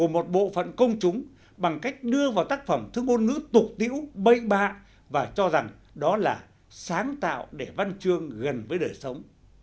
một bộ phận công chúng bằng cách đưa vào tác phẩm thứ ngôn ngữ tục tiễu bậy bạ và cho rằng đó là sáng tạo để văn chương gần với đời sống